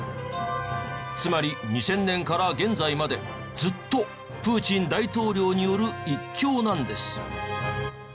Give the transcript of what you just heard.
つまり２０００年から現在までずっとプーチン大統領による一強なんです。